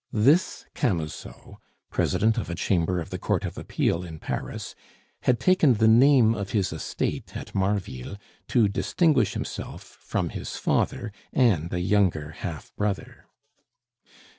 This Camusot, President of a Chamber of the Court of Appeal in Paris, had taken the name of his estate at Marville to distinguish himself from his father and a younger half brother.